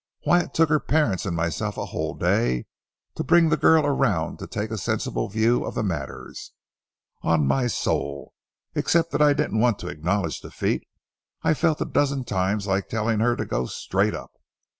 Why, it took her parents and myself a whole day to bring the girl around to take a sensible view of matters. On my soul, except that I didn't want to acknowledge defeat, I felt a dozen times like telling her to go straight up.